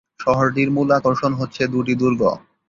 শহরটির মূল আকর্ষণ হচ্ছে দুটি দুর্গ।